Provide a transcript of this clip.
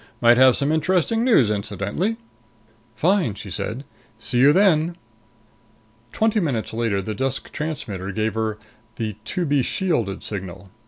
Might have some interesting news, too, incidentally." "Fine," she said. "See you then." Twenty minutes later the desk transmitter gave her the "to be shielded" signal.